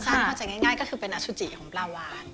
เข้าใจง่ายก็คือเป็นอสุจิของปลาวาน